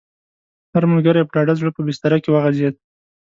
هر ملګری په ډاډه زړه په بستره کې وغځېد.